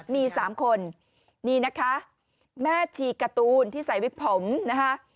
มี๓คนนี่นะคะแม่ชีการ์ตูนที่ใส่วิกผมนะคะ